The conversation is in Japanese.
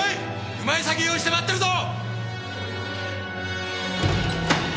うまい酒用意して待ってるぞ！